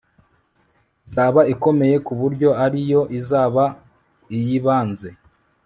izaba ikomeye ku buryo ari yo izaba iy'ibanze